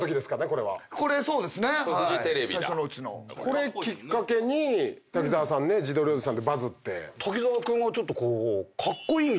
これきっかけに滝沢さんね自撮りおじさんでバズって。